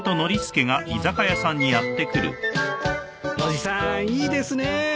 伯父さんいいですね。